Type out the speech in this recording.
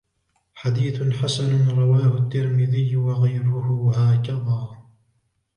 حديثٌ حَسَنٌ رواه التِّرمذيُّ وغيرُه هكذا